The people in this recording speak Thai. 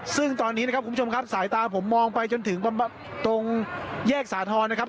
ซึ่งตอนนี้นะครับคุณผู้ชมครับสายตาผมมองไปจนถึงตรงแยกสาธรณ์นะครับ